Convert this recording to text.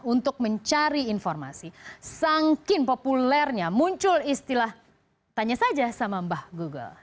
untuk mencari informasi saking populernya muncul istilah tanya saja sama mbah google